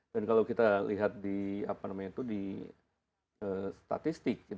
dan kalau kita lihat di statistik